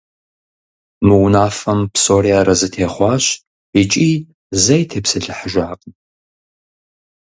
Мы унафэм псори аразы техъуащ икӏи зэи тепсэлъыхьыжакъым.